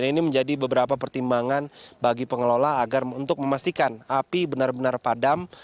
ini menjadi beberapa pertimbangan bagi pengelola agar untuk memastikan api benar benar padam